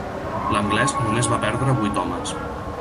L'anglès només va perdre vuit homes.